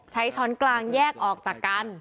ช้อนกลางแยกออกจากกัน